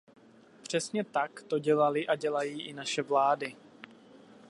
Přesně tak to dělaly a dělají i naše vlády.